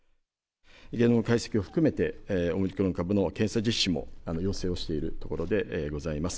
ゲノム解析を含めて、オミクロン株の検査実施も要請をしているところでございます。